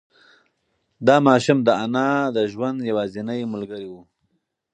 دا ماشوم د انا د ژوند یوازینۍ ملګری و.